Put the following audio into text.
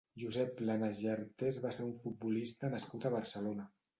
Josep Planas i Artés va ser un futbolista nascut a Barcelona.